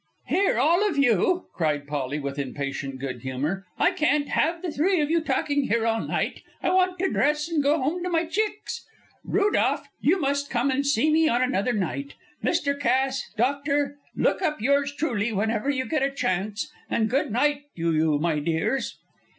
"Here, all of you!" cried Polly, with impatient good humour, "I can't have you three talking here all night. I want to dress and go home to my chicks. Rudolph, you must come and see me on another night. Mr. Cass, doctor, look up yours truly whenever you get a chance, and good night to you, my dears."